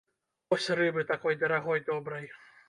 Вось рыбы такой дарагой добрай.